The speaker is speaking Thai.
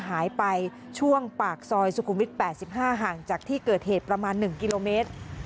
หายไปช่วงปากซอยสุขุมวิทย์๘๕ห่างจากที่เกิดเหตุประมาณ๑กิโลเมตร